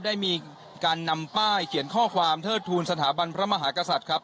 ได้มีการนำป้ายเขียนข้อความเทิดทูลสถาบันพระมหากษัตริย์ครับ